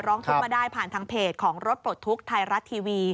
ร้องทุกข์มาได้ผ่านทางเพจของรถปลดทุกข์ไทยรัฐทีวี